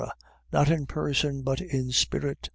.Not in person, but in spirit.